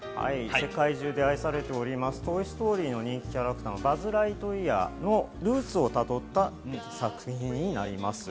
世界中で愛されております、『トイ・ストーリー』の人気キャラクターのバズ・ライトイヤーのルーツを辿った作品になります。